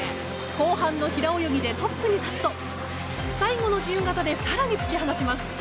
後半の平泳ぎでトップに立つと最後の自由形で更に突き放します。